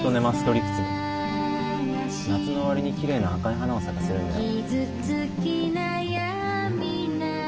夏の終わりにきれいな赤い花を咲かせるんだよ。